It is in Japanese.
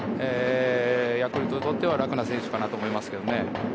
ヤクルトにとっては楽な選手かなと思います。